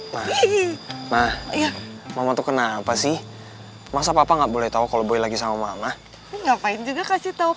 ngii mah mama kenapa sih masa papa nggak boleh tahu kalau lithium mama ngapain juga kasih tahu